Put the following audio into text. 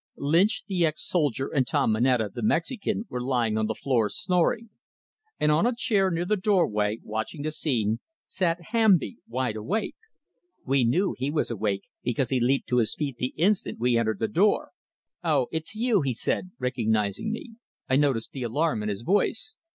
Lynch, the ex soldier, and Tom Moneta, the Mexican, were lying on the floor snoring. And on a chair near the doorway, watching the scene, sat Hamby, wide awake. We knew he was awake, because he leaped to his feet the instant we entered the door. "Oh, it's you!" he said, recognizing me; I noted the alarm in his voice.